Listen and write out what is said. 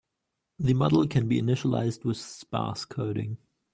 The model can be initialized with sparse coding.